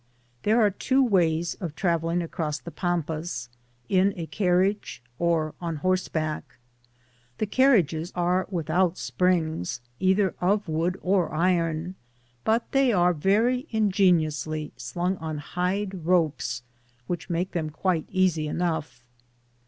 Theek are two ways of travelling across the Pam^ pas ^in a carriage, or on horseback. The carriages aj^ without springs either of wood or iron, but th^y are very ingeniously slung on hide ropes, which n^ake them quite easy enough.